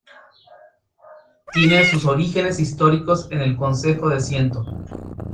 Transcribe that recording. Tiene sus orígenes históricos en el Consejo de Ciento.